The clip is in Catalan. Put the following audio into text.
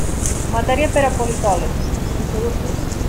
Matèria per a politòlegs, sense dubtes.